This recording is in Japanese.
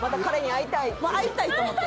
もう会いたいと思って。